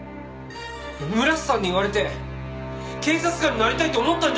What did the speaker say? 村瀬さんに言われて警察官になりたいって思ったんじゃないのかよ！